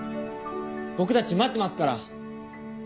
僕たち待ってますから。